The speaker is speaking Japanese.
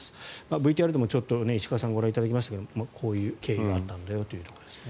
ＶＴＲでもちょっと、石川さんご覧いただきましたがこういう経緯があったんだよというところですね。